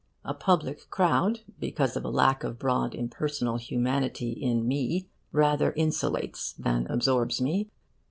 A public crowd, because of a lack of broad impersonal humanity in me, rather insulates than absorbs me.